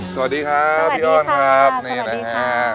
สวัสดีครับพี่ออนครับนี่แหละครับ